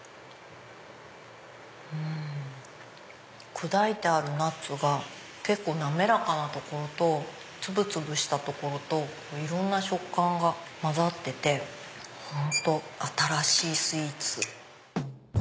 砕いてあるナッツが滑らかな所と粒々した所といろんな食感が混ざってて本当新しいスイーツ。